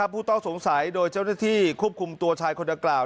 ผู้ต้องสงสัยโดยเจ้าหน้าที่ควบคุมตัวชายคนดังกล่าว